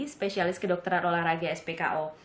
spesialis kedokteran olahraga spko